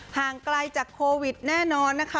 ห่างไกลจากโควิดแน่นอนนะคะ